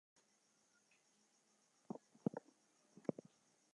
The combined highway runs north to a point west of Pond Creek.